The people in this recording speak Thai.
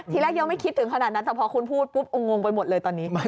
ทีแรกยังไม่คิดถึงขนาดนั้นแต่พอคุณพูดปุ๊บงงไปหมดเลยตอนนี้